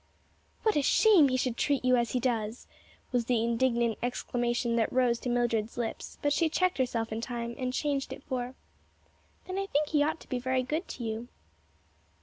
"What a shame he should treat you as he does!" was the indignant exclamation that rose to Mildred's lips, but she checked herself in time, and changed it for, "Then I think he ought to be very good to you."